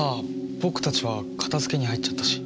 僕たちは片付けに入っちゃったし。